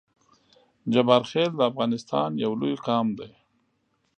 جبارخیل د افغانستان یو لوی قام دی